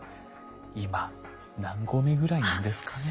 今何合目ぐらいなんですかね。